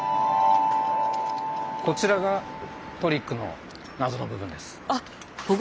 こちらがトリックの謎の部分です。